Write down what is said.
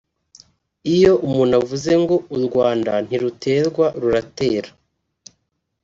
Iyo umuntu avuze ngo ‘u Rwanda ntiruterwa ruratera